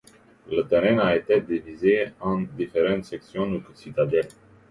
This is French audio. Le terrain a été divisé en différents sections, ou citadelles.